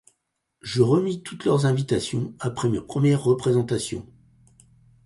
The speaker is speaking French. Je remis toutes leurs invitations après mes premières représentations.